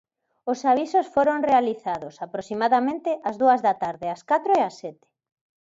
Os avisos foron realizados, aproximadamente, ás dúas da tarde, ás catro e ás sete.